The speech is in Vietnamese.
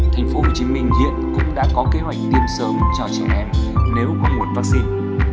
thành phố hồ chí minh hiện cũng đã có kế hoạch tiêm sớm cho trẻ em nếu có một vắc xin